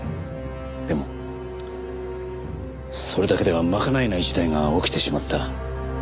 でもそれだけでは賄えない事態が起きてしまった。